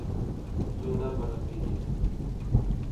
Tu nebiriqiyî.